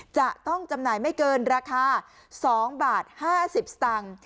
จำหน่ายไม่เกินราคา๒บาท๕๐สตางค์